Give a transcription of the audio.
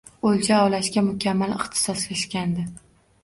O’lja ovlashga mukammal ixtisoslashgandi.